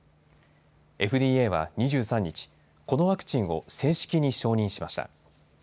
ＦＤＡは２３日、このワクチンを正式に承認しました。